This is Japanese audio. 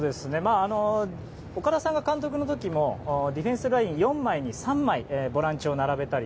岡田さんが監督の時もディフェンスライン４枚に３枚のボランチを並べたり。